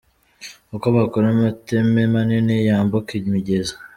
Uko bakora amateme Manini yambuka imigezi